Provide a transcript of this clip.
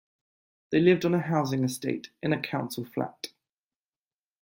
The lived on a housing estate, in a council flat